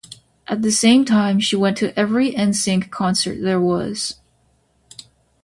At the same time, she went to every 'N Sync concert there was.